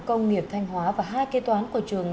công nghiệp thanh hóa và hai kê toán của trường